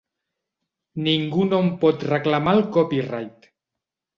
Ningú no en pot reclamar el copyright.